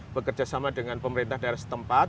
bekerjasama dengan pemerintah daerah setempat